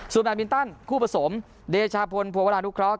สุดแบบวินตันคู่ผสมเดชาพลโพวาลานุเคราะห์